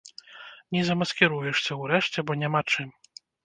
Не замаскіруешся, урэшце, бо няма чым.